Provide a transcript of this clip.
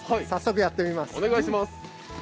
早速、やっていきます。